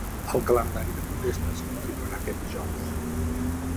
El calendari de protestes continuarà aquest dijous.